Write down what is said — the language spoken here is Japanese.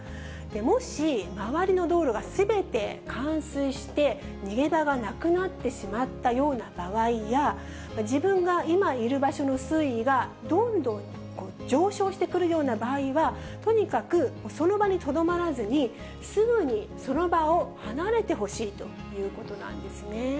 もし周りの道路がすべて冠水して、逃げ場がなくなってしまったような場合や、自分が今いる場所の水位がどんどん上昇してくるような場合は、とにかくその場にとどまらずに、すぐにその場を離れてほしいということなんですね。